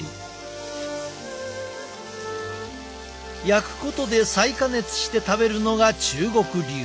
焼くことで再加熱して食べるのが中国流。